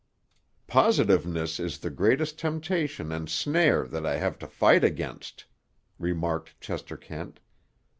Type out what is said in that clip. "Positiveness is the greatest temptation and snare that I have to fight against," remarked Chester Kent.